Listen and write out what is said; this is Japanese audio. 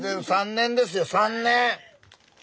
３年ですよ３年。